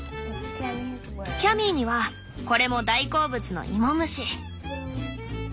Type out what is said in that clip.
キャミーにはこれも大好物の芋虫。